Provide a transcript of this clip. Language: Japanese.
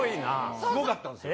すごかったんですよ。